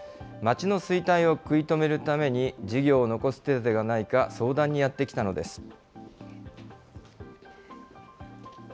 町の衰退を食い止めるために、事業の残す手だてがないか相談にやって来たのです。